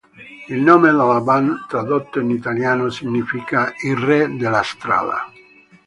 Il nome della band tradotto in italiano significa "I Re della Strada".